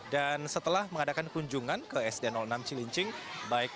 dan setelah mengadakan kunjungan ke sd enam cilincing baik lut bin sar panjaitan maupun ke ketua pertama